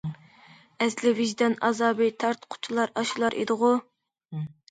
ئەسلى ۋىجدان ئازابى تارتقۇچىلار ئاشۇلار ئىدىغۇ؟!...